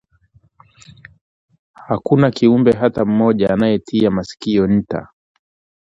hakuna kiumbe hata mmoja anayetia masikio nta